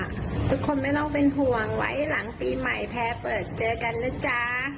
ทุกคนไม่ต้องเป็นห่วงไว้หลังปีใหม่แพ้เปิดเจอกันนะจ๊ะ